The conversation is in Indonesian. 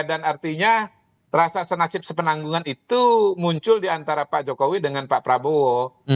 dan artinya rasa senasib sepenanggungan itu muncul di antara pak jokowi dengan pak prabowo